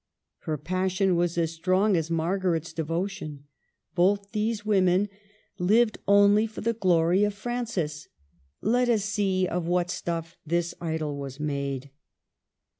Her passion was as strong as Margaret's devotion. Both these women lived 32 MARGARET OF ANGOULtME. \\\ only for the glory of Francis. Let us see of j what stuff this idol was made.